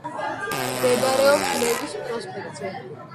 მდებარეობს ნევის პროსპექტზე.